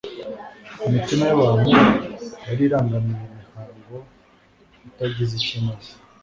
imitima y'abantu yari irangamiye imihango itagize icyo imaze.